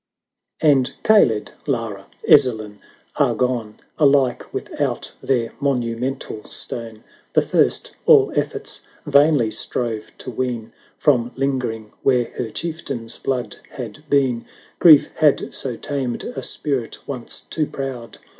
XXV. And Kaled — Lara — Ezzelin, are gone, Alike without their monumental stone! The first, all efforts vainly strove to wean From lingering where her Chieftain's blood had been: Grief had so tamed a spirit once too proud.